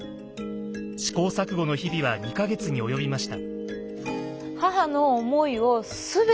試行錯誤の日々は２か月に及びました。